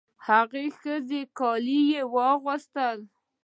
هغه د ښځې کالي یې واغوستل.